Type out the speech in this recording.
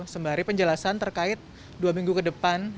sembari penjelasan terkait dua minggu ke depan